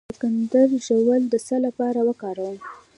د کندر ژوول د څه لپاره وکاروم؟